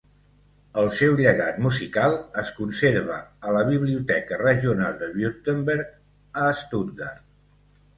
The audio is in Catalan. El seu llegat musical es conserva a la Biblioteca Regional de Württemberg a Stuttgart.